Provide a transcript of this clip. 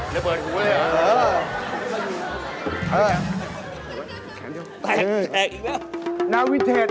ไม่ขาดอีกแล้ว